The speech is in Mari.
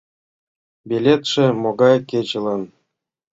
— Билетше могай кечылан?